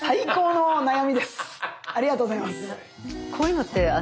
ありがとうございます。